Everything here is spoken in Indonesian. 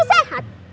kan jalan kaki sehat